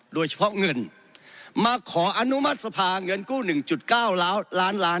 โดยเฉพาะเงินมาขออนุมัติสภาเงินกู้หนึ่งจุดเก้าล้าล้านล้าน